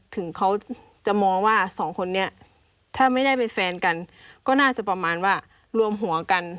ถึงเขาจะมองว่าสองคนนี้ถ้าไม่ได้เป็นแฟนกันก็น่าจะประมาณว่ารวมหัวกัน